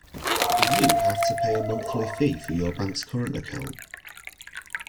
Do you have to pay a monthly fee for your bank’s current account?